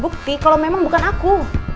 bukti kalau memang bukan aku